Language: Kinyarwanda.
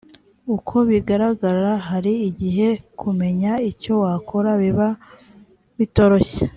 uko bigaragara hari igihe kumenya icyo wakora biba bitoroshye .